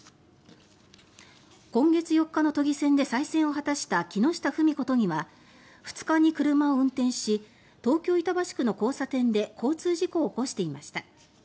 今月４日の都議選で再選を果たした木下ふみこ都議は２日に車を運転し東京・板橋区の交差点で交通事故を起こしていました。